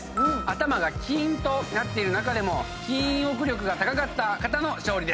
頭がキーンとなっている中でもキーン憶力が高かった方の勝利。